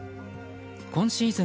今シーズン